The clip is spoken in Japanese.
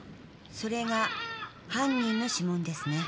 それが犯人の指紋ですね。